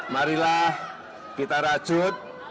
marilah kita rajut